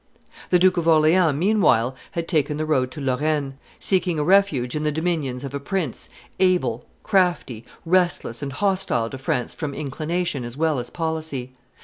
The Duke of Orleans meanwhile had taken the road to Lorraine, seeking a refuge in the dominions of a prince able, crafty, restless, and hostile to France from inclination as well as policy.